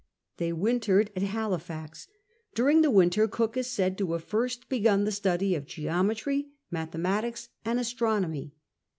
They wintered at Halifax ; during the winter Cook is said to have first begun the study of geometry, mathematics, and astro nomy.